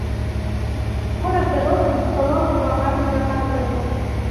Скора здаровым з палонам багатым дахаты вярнуўся!